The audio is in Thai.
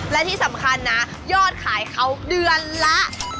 และที่สำคัญนะยอดขายเขาเดือนละ๒ล้านบาท